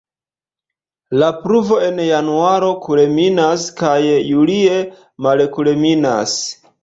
La pluvo en januaro kulminas kaj julie malkulminas.